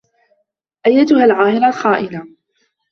أيّتها العاهرة الخائنة.